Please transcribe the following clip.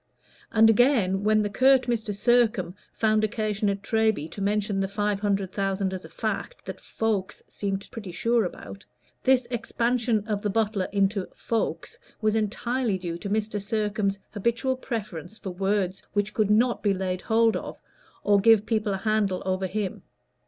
And again, when the curt Mr. Sircome found occasion at Treby to mention the five hundred thousand as a fact that folks seemed pretty sure about, this expansion of the butler into "folks" was entirely due to Mr. Sircome's habitual preference for words which could not be laid hold of or give people a handle over him.